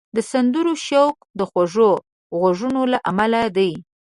د سندرو شوق د خوږو غږونو له امله دی